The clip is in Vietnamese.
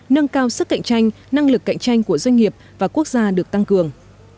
nâng cao sức cạnh tranh năng lực cạnh tranh của doanh nghiệp và quốc gia được tăng cường